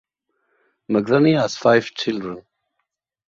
Mokhzani has five children.